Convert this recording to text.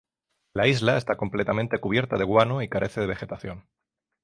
La isla está completamente cubierta de guano y carece de vegetación.